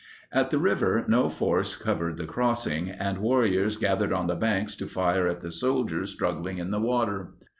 At the river no force covered the crossing, and warriors gathered on the banks to fire at the soldiers struggling in the water.